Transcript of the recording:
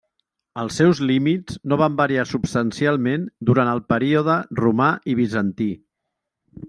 Els seus límits no van variar substancialment durant el període romà i bizantí.